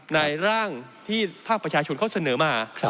ในร่างที่ภาคประชาชนเขาเสนอมา